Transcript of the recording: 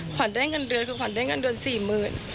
ขวัญได้เงินเดือนคือขวัญได้เงินเดือน๔๐๐๐บาท